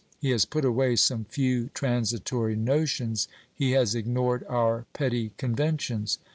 He has put away some few transitory notions, he has ignored our petty conventions.